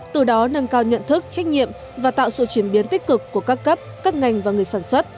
từ đó nâng cao nhận thức trách nhiệm và tạo sự chuyển biến tích cực của các cấp các ngành và người sản xuất